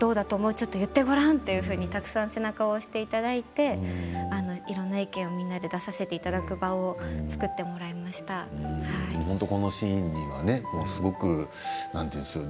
ちょっと言ってごらんとたくさん背中を押していただいていろんな意見を皆さんでみんなで出させていただく場面をこのシーンにはすごく、何て言うんでしょう